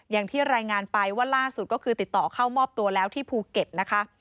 อย่างที่รายงานไปว่าล่าสุดก็คือติดต่อเข้ามอบตัวแล้วที่ภูเก็ตนะคะ